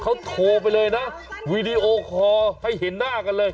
เขาโทรไปเลยนะวีดีโอคอร์ให้เห็นหน้ากันเลย